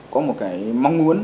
có một cái mong muốn